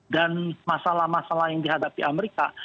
dan masalah masalah yang dihadapi amerika